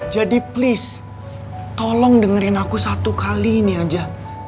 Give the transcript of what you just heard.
jadi please tolong dengerin aku satu kali ini aja